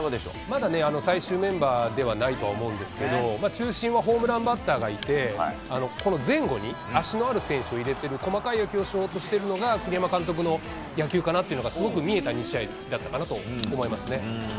まだね、最終メンバーではないとは思うんですけど、中心はホームランバッターがいて、この前後に、足のある選手を入れてる、細かいをしようとしているのが、栗山監督の野球かなというのがすごく見えた試合だったかなと思いますね。